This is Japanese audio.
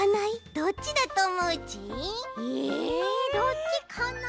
えどっちかな？